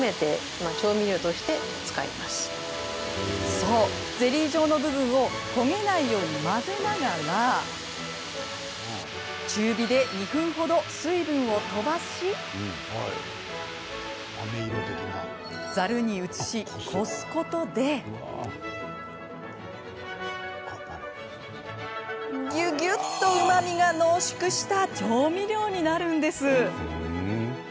そう、ゼリー状の部分を焦げないように混ぜながら中火で２分程、水分を飛ばしざるに移し、こすことでぎゅぎゅっと、うまみが濃縮した調味料になるんです。